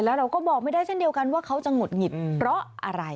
แล้วเราก็บอกไม่ได้เช่นเดียวกันว่าเขาจะหงุดหงิดเพราะอะไร